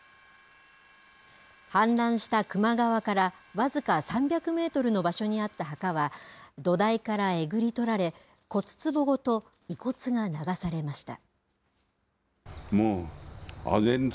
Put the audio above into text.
氾濫した球磨川から僅か３００メートルの場所にあった墓は、土台からえぐり取られ、骨つぼごと遺骨が流されました。